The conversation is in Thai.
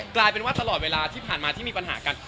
กลายเป็นว่าตลอดเวลาที่ผ่านมาที่มีปัญหากัน